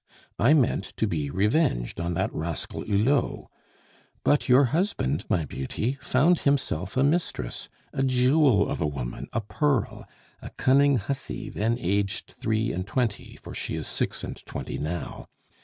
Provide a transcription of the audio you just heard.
I meant to be revenged on that rascal Hulot. But your husband, my beauty, found himself a mistress a jewel of a woman, a pearl, a cunning hussy then aged three and twenty, for she is six and twenty now.